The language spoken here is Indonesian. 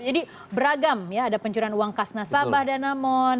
jadi beragam ya ada pencurian uang kas nasabah dan amon